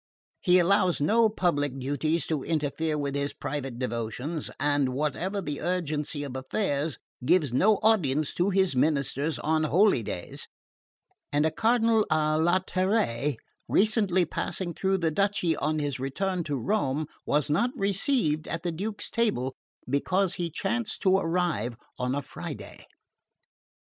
He allows no public duties to interfere with his private devotions, and whatever the urgency of affairs, gives no audience to his ministers on holydays; and a Cardinal a latere recently passing through the duchy on his return to Rome was not received at the Duke's table because he chanced to arrive on a Friday.